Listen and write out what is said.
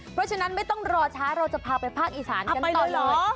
เพราะฉะนั้นไม่ต้องรอช้าเราจะพาไปภาคอีสานกันต่อเลย